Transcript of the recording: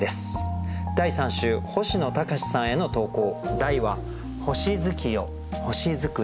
第３週星野高士さんへの投稿。